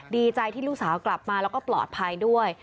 ดีใจที่ลูกสาวกลับมาแล้วก็ปลอดภัยด้วย